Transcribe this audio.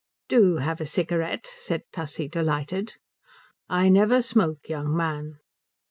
"Do have a cigarette," said Tussie, delighted. "I never smoke, young man."